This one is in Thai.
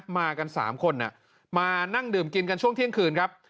มากัน๓คนมานั่งดื่มกินกันช่วงเที่ยงคืนครับ